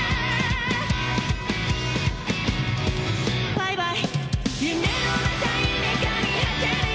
バイバイ。